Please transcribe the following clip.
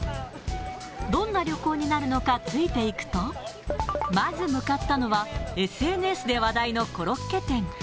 どんな旅行になるのか、ついていくと、まず向かったのは、ＳＮＳで話題のコロッケ店。